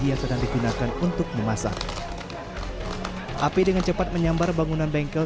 yang sedang digunakan untuk memasak api dengan cepat menyambar bangunan bengkel